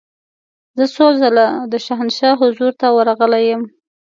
زه څو ځله د شاهنشاه حضور ته ورغلې یم.